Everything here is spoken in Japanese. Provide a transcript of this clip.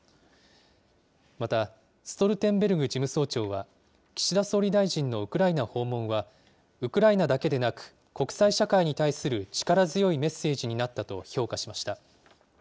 また、ストルテンベルグ事務総長は、岸田総理大臣のウクライナ訪問は、ウクライナだけでなく、国際社会に対する力強いメッセージになったと評価しました。